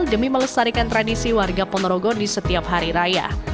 demi melestarikan tradisi warga ponorogo di setiap hari raya